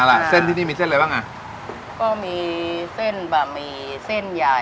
ล่ะเส้นที่นี่มีเส้นอะไรบ้างอ่ะก็มีเส้นบะหมี่เส้นใหญ่